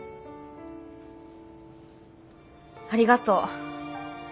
ありがとう。